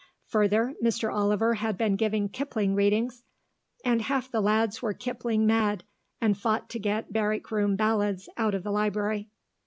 Further, Mr. Oliver had been giving Kipling readings, and half the lads were Kipling mad, and fought to get Barrack room Ballads out of the library.